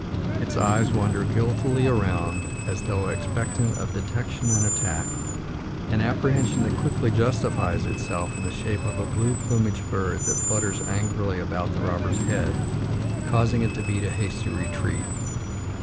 Its eyes wander guiltily around, as though expectant of detection and attack an apprehension that quickly justifies itself in the shape of a blue plumaged bird that flutters angrily about the robber's head, causing it to beat a hasty retreat.